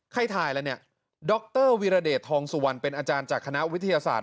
ใครถ่ายแล้วเนี่ยดรวีรเดชทองสุวรรณเป็นอาจารย์จากคณะวิทยาศาสตร์